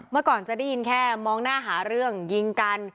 เมื่อก่อนจะได้ยินแค่มองหน้าหาเรื่องยิงกัน